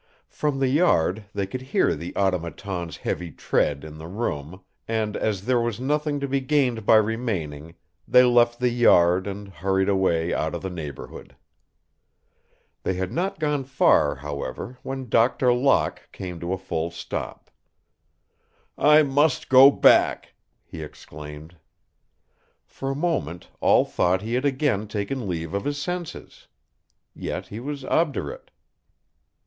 From the yard they could hear the Automaton's heavy tread in the room and, as there was nothing to be gained by remaining, they left the yard and hurried away out of the neighborhood. They had not gone far, however, when Doctor Locke came to a full stop. "I must go back," he exclaimed. For a moment all thought he had again taken leave of his senses. Yet he was obdurate.